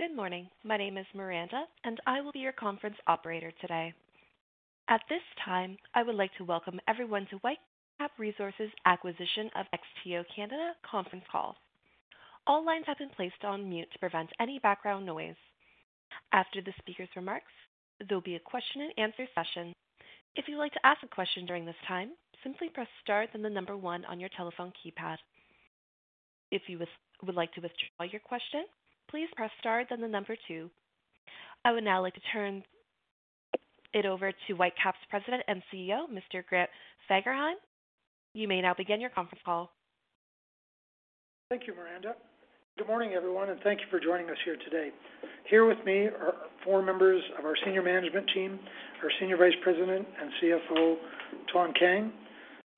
Good morning. My name is Miranda, and I will be your conference operator today. At this time, I would like to welcome everyone to Whitecap Resources Acquisition of XTO Energy Canada conference call. All lines have been placed on mute to prevent any background noise. After the speaker's remarks, there'll be a question-and-answer session. If you'd like to ask a question during this time, simply press star, then the number one on your telephone keypad. If you would like to withdraw your question, please press star, then the number two. I would now like to turn it over to Whitecap's President and CEO, Mr. Grant Fagerheim. You may now begin your conference call. Thank you, Miranda. Good morning, everyone, and thank you for joining us here today. Here with me are four members of our senior management team, our Senior Vice President and CFO, Thanh C. Kang.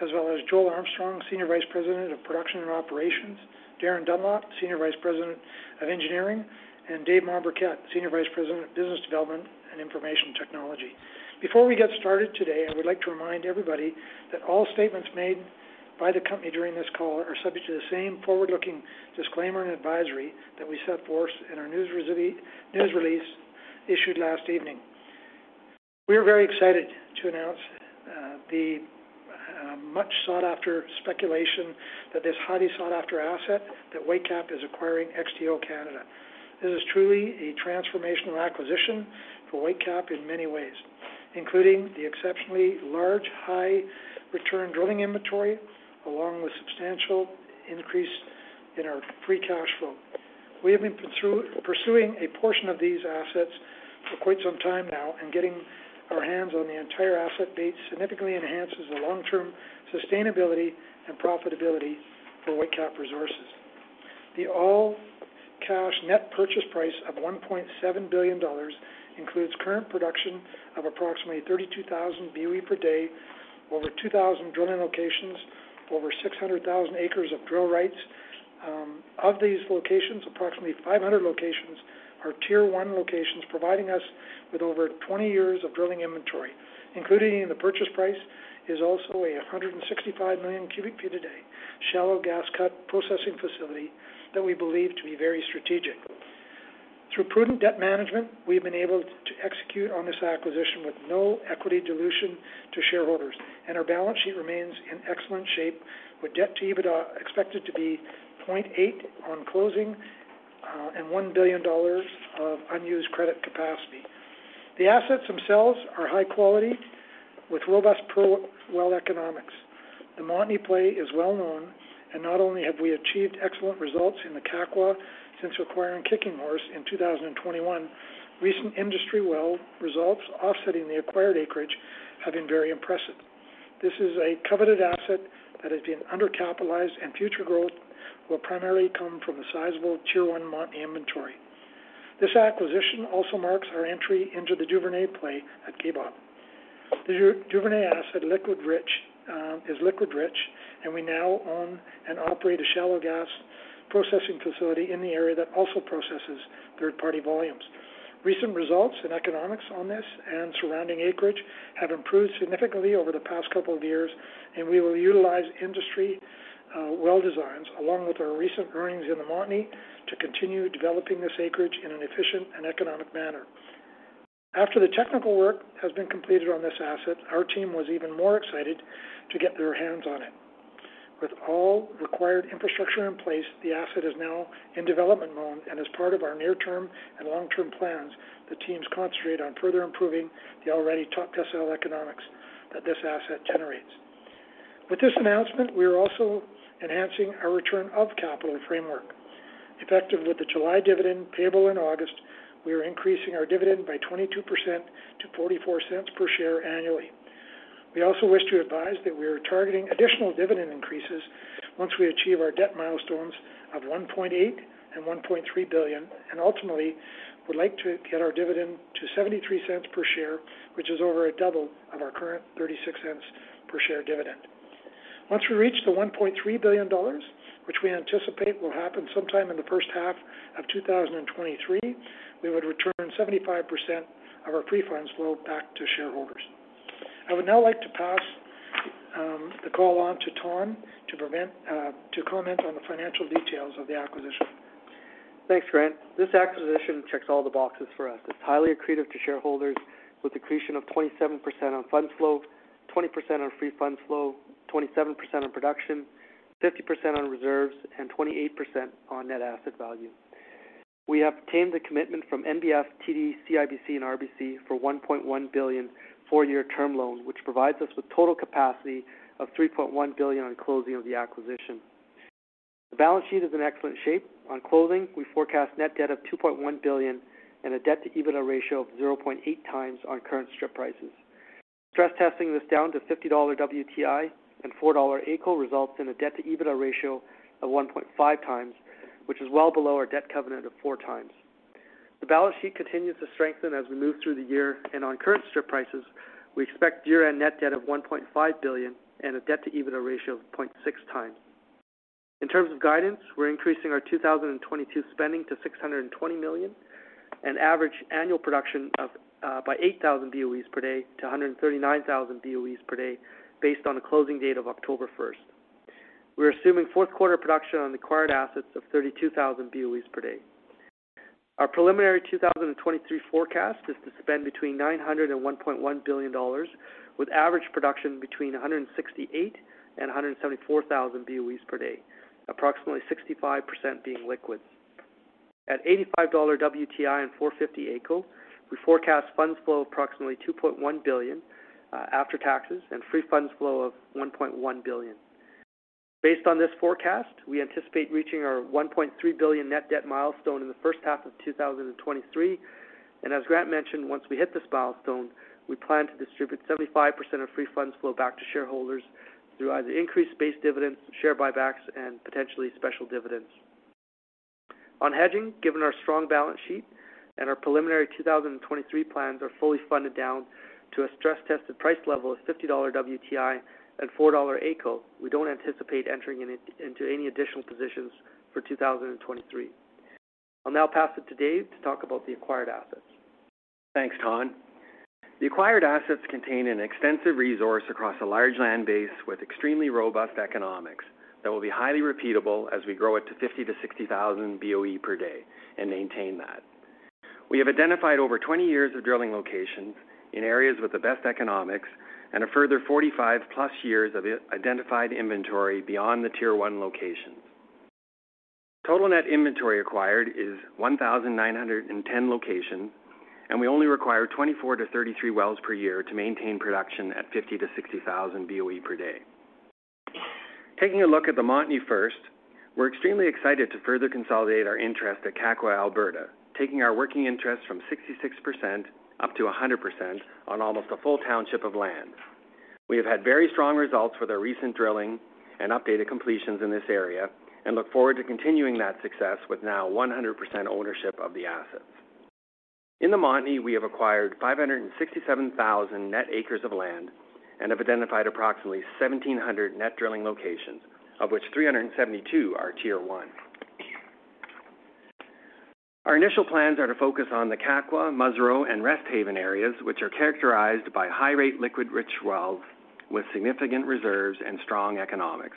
As well as Joel Armstrong, Senior Vice President of Production and Operations. Darin R. Dunlop, Senior Vice President of Engineering, and David M. Mombourquette, Senior Vice President of Business Development and Information Technology. Before we get started today, I would like to remind everybody that all statements made by the company during this call are subject to the same forward-looking disclaimer and advisory that we set forth in our news release issued last evening. We are very excited to announce the much sought after speculation that this highly sought after asset that Whitecap is acquiring XTO Energy Canada. This is truly a transformational acquisition for Whitecap in many ways, including the exceptionally large, high return drilling inventory, along with substantial increase in our free cash flow. We have been pursuing a portion of these assets for quite some time now, and getting our hands on the entire asset base significantly enhances the long-term sustainability and profitability for Whitecap Resources. The all-cash net purchase price of 1.7 billion dollars includes current production of approximately 32,000 BOE per day, over 2,000 drilling locations, over 600,000 acres of drill rights. Of these locations, approximately 500 locations are tier one locations, providing us with over 20 years of drilling inventory, including in the purchase price is also 165 million cubic feet a day shallow cut gas processing facility that we believe to be very strategic. Through prudent debt management, we've been able to execute on this acquisition with no equity dilution to shareholders, and our balance sheet remains in excellent shape with debt to EBITDA expected to be 0.8 on closing, and 1 billion dollars of unused credit capacity. The assets themselves are high quality with robust per well economics. The Montney play is well known, and not only have we achieved excellent results in the Kakwa since acquiring Kicking Horse in 2021, recent industry well results offsetting the acquired acreage have been very impressive. This is a coveted asset that has been undercapitalized, and future growth will primarily come from the sizable tier-one Montney inventory. This acquisition also marks our entry into the Duvernay play at Kaybob. The Duvernay asset is liquid rich, and we now own and operate a shallow gas processing facility in the area that also processes third-party volumes. Recent results and economics on this and surrounding acreage have improved significantly over the past couple of years, and we will utilize industry well designs along with our recent learnings in the Montney to continue developing this acreage in an efficient and economic manner. After the technical work has been completed on this asset, our team was even more excited to get their hands on it. With all required infrastructure in place, the asset is now in development mode, and as part of our near-term and long-term plans, the teams concentrate on further improving the already top-tier economics that this asset generates. With this announcement, we are also enhancing our return of capital framework. Effective with the July dividend payable in August, we are increasing our dividend by 22% to 0.44 per share annually. We also wish to advise that we are targeting additional dividend increases once we achieve our debt milestones of 1.8 billion and 1.3 billion, and ultimately, we'd like to get our dividend to 0.73 per share, which is over a double of our current 0.36 per share dividend. Once we reach the 1.3 billion dollars, which we anticipate will happen sometime in the H1 of 2023, we would return 75% of our free funds flow back to shareholders. I would now like to pass the call on to Thanh Kang to comment on the financial details of the acquisition. Thanks, Grant. This acquisition checks all the boxes for us. It's highly accretive to shareholders with accretion of 27% on funds flow, 20% on free funds flow, 27% on production, 50% on reserves, and 28% on net asset value. We obtained a commitment from NBF, TD, CIBC, and RBC for 1.1 billion four-year term loan, which provides us with total capacity of 3.1 billion on closing of the acquisition. The balance sheet is in excellent shape. On closing, we forecast net debt of 2.1 billion and a debt to EBITDA ratio of 0.8x on current strip prices. Stress testing this down to $50 WTI and 4 dollar AECO results in a debt to EBITDA ratio of 1.5x, which is well below our debt covenant of 4x. The balance sheet continues to strengthen as we move through the year and on current strip prices, we expect year-end net debt of 1.5 billion and a debt to EBITDA ratio of 0.6x. In terms of guidance, we're increasing our 2022 spending to 620 million, and average annual production by 8,000 BOEs per day to 139,000 BOEs per day based on a closing date of October one. We're assuming fourth quarter production on acquired assets of 32,000 BOEs per day. Our preliminary 2023 forecast is to spend between 900 million and 1.1 billion dollars, with average production between 168,000 and 174,000 BOEs per day, approximately 65% being liquids. At $85 WTI and 4.50 AECO, we forecast funds flow approximately 2.1 billion after taxes and free funds flow of 1.1 billion. Based on this forecast, we anticipate reaching our 1.3 billion net debt milestone in the H of 2023. As Grant mentioned, once we hit this milestone, we plan to distribute 75% of free funds flow back to shareholders through either increased base dividends, share buybacks, and potentially special dividends. On hedging, given our strong balance sheet and our preliminary 2023 plans are fully funded down to a stress tested price level of $50 WTI and 4 dollar AECO, we don't anticipate entering into any additional positions for 2023. I'll now pass it to Dave to talk about the acquired assets. Thanks, Thanh. The acquired assets contain an extensive resource across a large land base with extremely robust economics that will be highly repeatable as we grow it to 50,000-60,000 BOE per day and maintain that. We have identified over 20 years of drilling locations in areas with the best economics and a further 45+ years of identified inventory beyond the Tier one locations. Total net inventory acquired is 1,910 locations, and we only require 24-33 wells per year to maintain production at 50,000-60,000 BOE per day. Taking a look at the Montney first, we're extremely excited to further consolidate our interest at Kakwa, Alberta, taking our working interest from 66% up to 100% on almost a full township of land. We have had very strong results with our recent drilling and updated completions in this area, and look forward to continuing that success with now 100% ownership of the assets. In the Montney, we have acquired 567,000 net acres of land and have identified approximately 1,700 net drilling locations, of which 372 are Tier one. Our initial plans are to focus on the Kakwa, Musreau, and Resthaven areas, which are characterized by high rate liquid-rich wells with significant reserves and strong economics.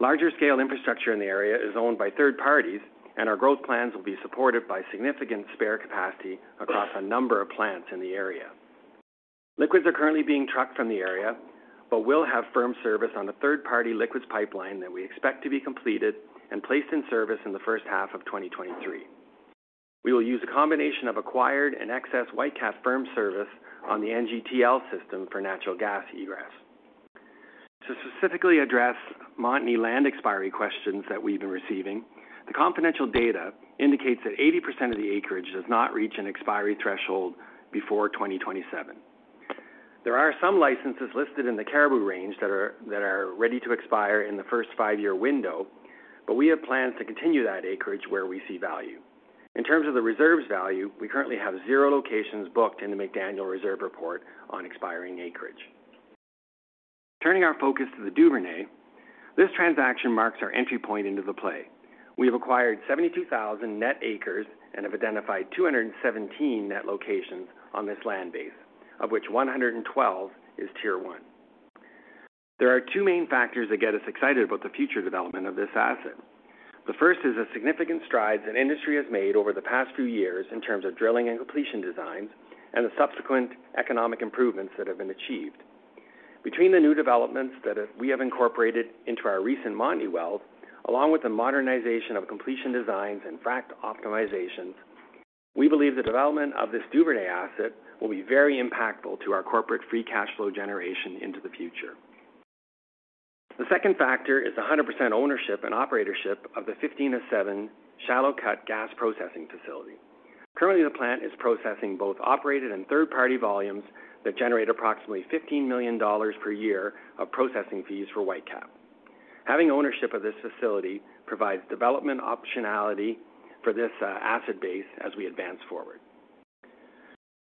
Larger scale infrastructure in the area is owned by third parties, and our growth plans will be supported by significant spare capacity across a number of plants in the area. Liquids are currently being trucked from the area, but we'll have firm service on the third-party liquids pipeline that we expect to be completed and placed in service in the H1 of 2023. We will use a combination of acquired and excess Whitecap firm service on the NGTL system for natural gas egress. To specifically address Montney land expiry questions that we've been receiving, the confidential data indicates that 80% of the acreage does not reach an expiry threshold before 2027. There are some licenses listed in the Caribou range that are ready to expire in the first five-year window, but we have plans to continue that acreage where we see value. In terms of the reserves value, we currently have 0 locations booked in the McDaniel reserve report on expiring acreage. Turning our focus to the Duvernay, this transaction marks our entry point into the play. We have acquired 72,000 net acres and have identified 217 net locations on this land base, of which 112 is Tier one. There are two main factors that get us excited about the future development of this asset. The first is the significant strides that industry has made over the past few years in terms of drilling and completion designs and the subsequent economic improvements that have been achieved. Between the new developments we have incorporated into our recent Montney wells, along with the modernization of completion designs and frac optimizations, we believe the development of this Duvernay asset will be very impactful to our corporate free cash flow generation into the future. The second factor is 100% ownership and operatorship of the 15-07 shallow cut gas processing facility. Currently, the plant is processing both operated and third-party volumes that generate approximately 15 million dollars per year of processing fees for Whitecap. Having ownership of this facility provides development optionality for this asset base as we advance forward.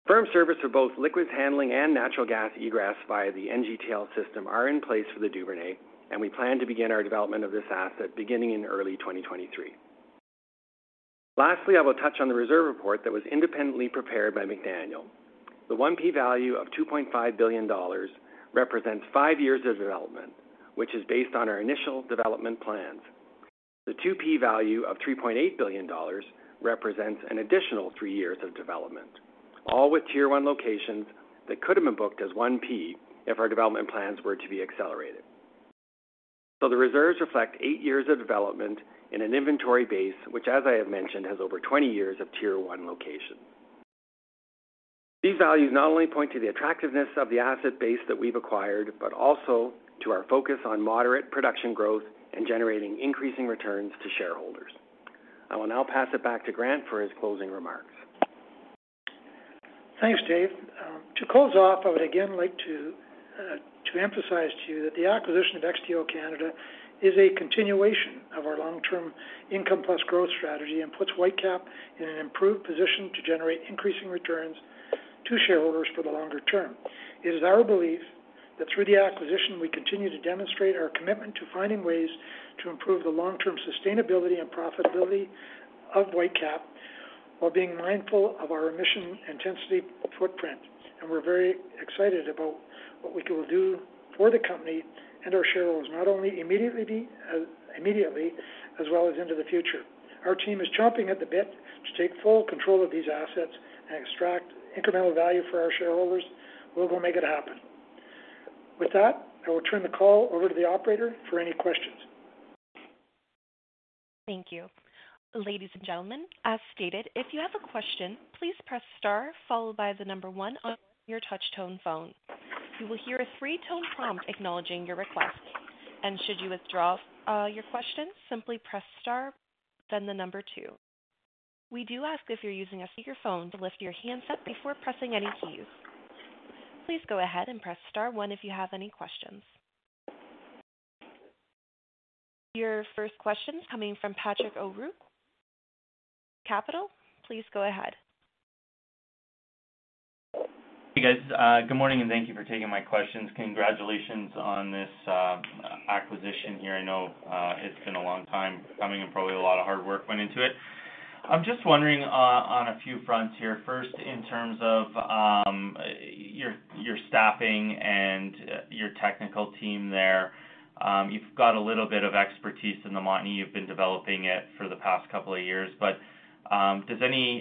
Firm service for both liquids handling and natural gas egress via the NGTL system are in place for the Duvernay, and we plan to begin our development of this asset beginning in early 2023. Lastly, I will touch on the reserve report that was independently prepared by McDaniel. The 1P value of 2.5 billion dollars represents five years of development, which is based on our initial development plans. The 2P value of 3.8 billion dollars represents an additional three years of development, all with Tier one locations that could have been booked as 1P if our development plans were to be accelerated. The reserves reflect eight years of development in an inventory base, which as I have mentioned, has over 20 years of Tier one location. These values not only point to the attractiveness of the asset base that we've acquired, but also to our focus on moderate production growth and generating increasing returns to shareholders. I will now pass it back to Grant for his closing remarks. Thanks, Dave. To close off, I would again like to emphasize to you that the acquisition of XTO Canada is a continuation of our long-term income plus growth strategy and puts Whitecap in an improved position to generate increasing returns to shareholders for the longer term. It is our belief that through the acquisition, we continue to demonstrate our commitment to finding ways to To improve the long-term sustainability and profitability of Whitecap while being mindful of our emission intensity footprint. We're very excited about what we can do for the company and our shareholders, not only immediately as well as into the future. Our team is chomping at the bit to take full control of these assets and extract incremental value for our shareholders. We're gonna make it happen. With that, I will turn the call over to the operator for any questions. Thank you. Ladies and gentlemen, as stated, if you have a question, please press star followed by the number one on your touch-tone phone. You will hear a three-tone prompt acknowledging your request. Should you withdraw your question, simply press star, then the number two. We do ask if you're using a speakerphone to lift your handset before pressing any keys. Please go ahead and press star one if you have any questions. Your first question's coming from Patrick O'Rourke, ATB Capital Markets. Please go ahead. Hey, guys. Good morning, and thank you for taking my questions. Congratulations on this acquisition here. I know it's been a long time coming, and probably a lot of hard work went into it. I'm just wondering on a few fronts here. First, in terms of your staffing and your technical team there. You've got a little bit of expertise in the Montney. You've been developing it for the past couple of years. Does any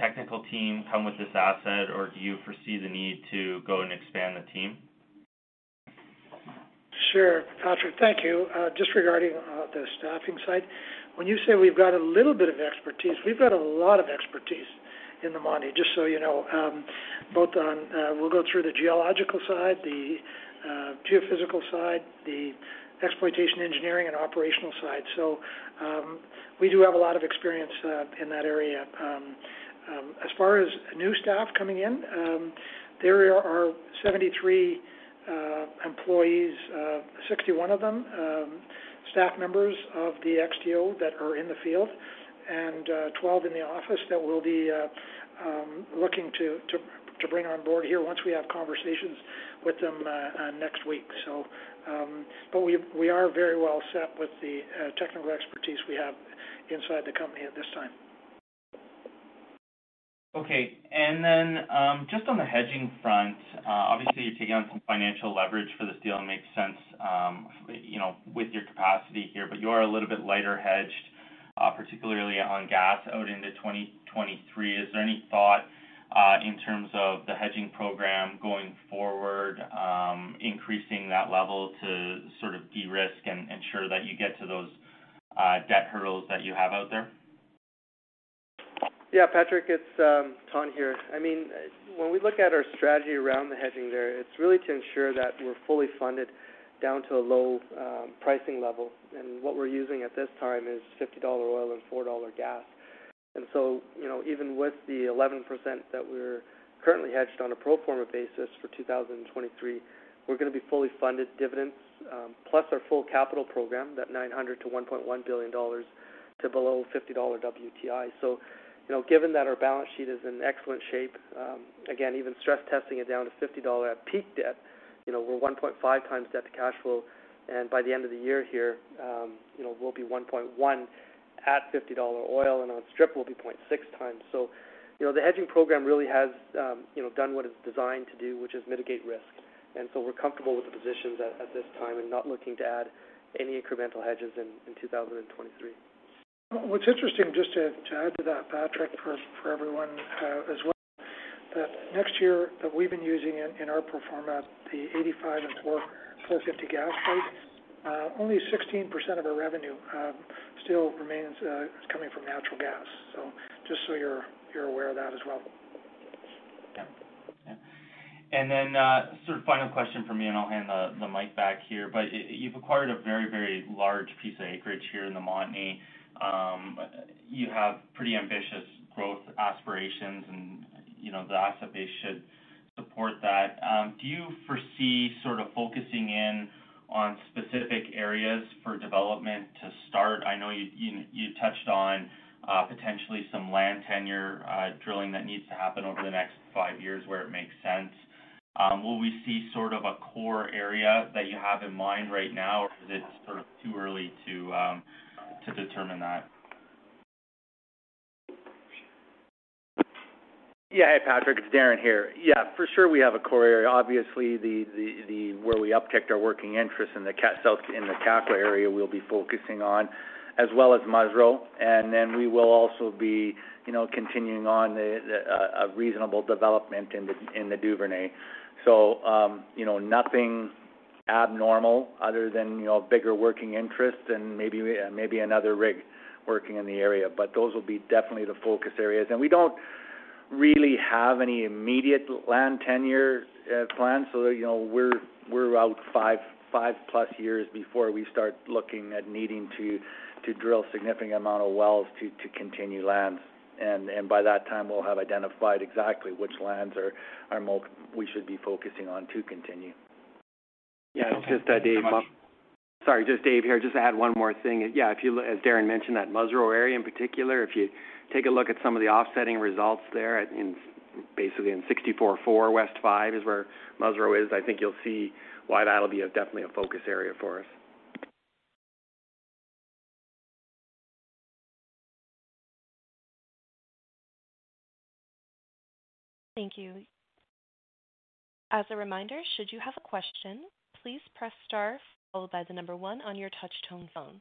technical team come with this asset, or do you foresee the need to go and expand the team? Sure, Patrick. Thank you. Just regarding the staffing side, when you say we've got a little bit of expertise, we've got a lot of expertise in the Montney, just so you know. We'll go through the geological side, the geophysical side, the exploitation engineering, and operational side. We do have a lot of experience in that area. As far as new staff coming in, there are 73 employees, 61 of them staff members of the XTO that are in the field and 12 in the office that we'll be looking to bring on board here once we have conversations with them next week. We are very well set with the technical expertise we have inside the company at this time. Okay. Just on the hedging front, obviously you're taking on some financial leverage for this deal. It makes sense, you know, with your capacity here, but you are a little bit lighter hedged, particularly on gas out into 2023. Is there any thought, in terms of the hedging program going forward, increasing that level to sort of de-risk and ensure that you get to those debt hurdles that you have out there? Yeah, Patrick O'Rourke, it's Thanh C. Kang here. I mean, when we look at our strategy around the hedging there, it's really to ensure that we're fully funded down to a low pricing level. What we're using at this time is $50 oil and CAD four gas. You know, even with the 11% that we're currently hedged on a pro forma basis for 2023, we're gonna be fully funded dividends plus our full capital program, that 900 million-1.1 billion dollars to below $50 WTI. You know, given that our balance sheet is in excellent shape, again, even stress testing it down to $50 at peak debt, you know, we're 1.5 times debt to cash flow, and by the end of the year here, you know, we'll be 1.1 at $50 oil, and on strip, we'll be 0.6 times. You know, the hedging program really has, you know, done what it's designed to do, which is mitigate risk. We're comfortable with the positions at this time and not looking to add any incremental hedges in 2023. What's interesting, just to add to that, Patrick, for everyone, as well, that next year that we've been using in our pro forma, the $85 and 4.50 gas price, only 16% of our revenue still remains coming from natural gas. Just so you're aware of that as well. Yeah. Then, sort of final question from me, and I'll hand the mic back here. You've acquired a very large piece of acreage here in the Montney. You have pretty ambitious growth aspirations, and, you know, the asset base should support that. Do you foresee sort of focusing in on specific areas for development to start? I know you touched on potentially some land tenure, drilling that needs to happen over the next five years where it makes sense. Will we see sort of a core area that you have in mind right now, or is it sort of too early to determine that? Yeah. Hey, Patrick O'Rourke, it's Darin here. Yeah, for sure we have a core area. Obviously, where we upticked our working interest in the Kakwa area, we'll be focusing on as well as Musreau. We will also be, you know, continuing on a reasonable development in the Duvernay. You know, nothing abnormal other than, you know, bigger working interest and maybe another rig working in the area. Those will be definitely the focus areas. We don't really have any immediate land tenure plans. You know, we're out 5-+ years before we start looking at needing to drill significant amount of wells to continue lands. By that time, we'll have identified exactly which lands we should be focusing on to continue. Okay. Thank you much. Yeah, it's just Dave here. Sorry, just Dave here. Just to add one more thing. Yeah, if you look, as Darin mentioned, that Musreau area in particular, if you take a look at some of the offsetting results there, basically in 64-four West five is where Musreau is. I think you'll see why that'll be definitely a focus area for us. Thank you. As a reminder, should you have a question, please press star followed by the number one on your touch tone phone.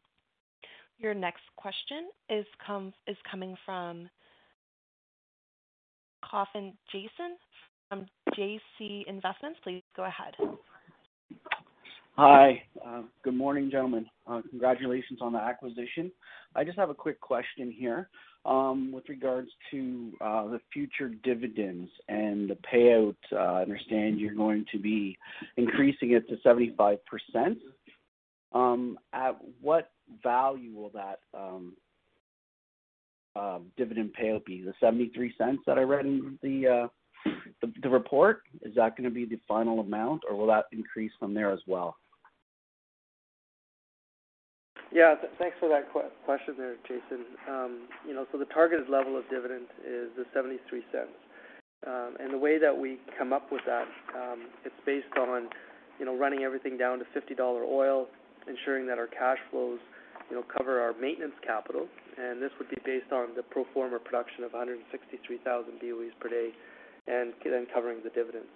Your next question is coming from Jason Coffin from J.P. Morgan. Please go ahead. Hi. Good morning, gentlemen. Congratulations on the acquisition. I just have a quick question here. With regards to the future dividends and the payout. I understand you're going to be increasing it to 75%. At what value will that dividend payout be? The 0.73 that I read in the report, is that gonna be the final amount, or will that increase from there as well? Yeah, thanks for that question there, Jason. You know, the targeted level of dividends is 0.73. The way that we come up with that, it's based on, you know, running everything down to $50 oil, ensuring that our cash flows, you know, cover our maintenance capital. This would be based on the pro forma production of 163,000 BOEs per day and then covering the dividends.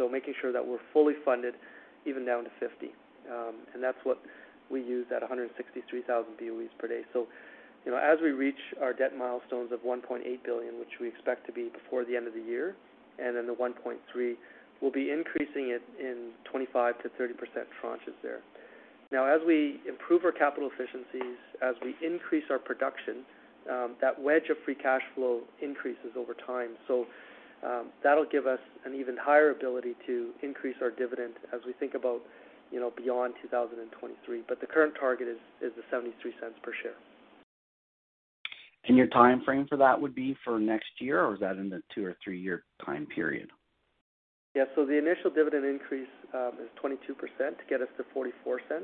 Making sure that we're fully funded even down to $50. That's what we use at 163,000 BOEs per day. You know, as we reach our debt milestones of 1.8 billion, which we expect to be before the end of the year, and then the 1.3 billion, we'll be increasing it in 25%-30% tranches there. Now, as we improve our capital efficiencies, as we increase our production, that wedge of free cash flow increases over time. That'll give us an even higher ability to increase our dividend as we think about, you know, beyond 2023. The current target is the 0.73 per share. Your timeframe for that would be for next year, or is that in the two or three-year time period? Yeah. The initial dividend increase is 22% to get us to 0.44.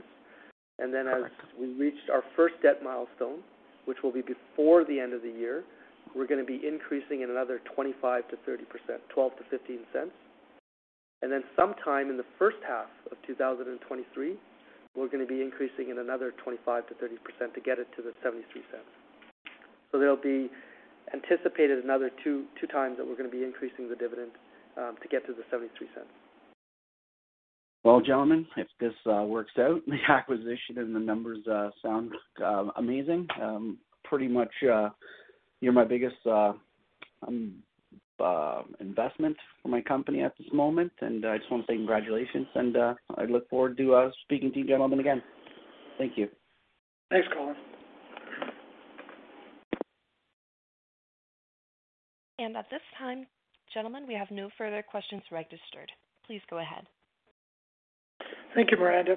As we reached our first debt milestone, which will be before the end of the year, we're gonna be increasing in another 25%-30%, 0.12-0.15. Sometime in the H1 of 2023, we're gonna be increasing in another 25%-30% to get it to 0.73. There'll be anticipated another two times that we're gonna be increasing the dividend to get to 0.73. Well, gentlemen, if this works out, the acquisition and the numbers sound amazing. Pretty much, you're my biggest investment for my company at this moment. I just wanna say congratulations, and I look forward to speaking to you gentlemen again. Thank you. Thanks, Jason Coffin. At this time, gentlemen, we have no further questions registered. Please go ahead. Thank you, Miranda.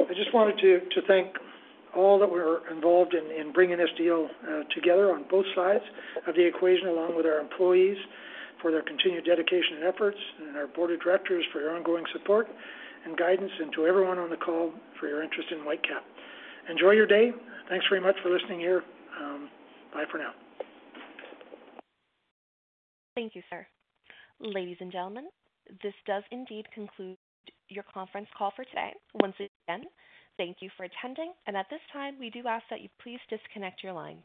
I just wanted to thank all that were involved in bringing this deal together on both sides of the equation, along with our employees for their continued dedication and efforts, and our board of directors for your ongoing support and guidance, and to everyone on the call for your interest in Whitecap. Enjoy your day. Thanks very much for listening here. Bye for now. Thank you, sir. Ladies and gentlemen, this does indeed conclude your conference call for today. Once again, thank you for attending. At this time, we do ask that you please disconnect your lines.